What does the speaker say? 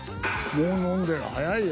もう飲んでる早いよ。